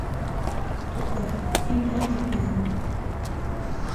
— Туҡта, һин тәртип менән.